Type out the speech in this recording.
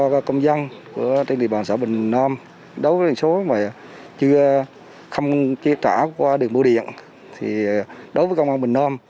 người dân của địa bàn xã bình nam đối với số mà chưa trả qua đường bộ điện đối với công an bình nam